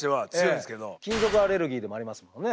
金属アレルギーでもありますもんね。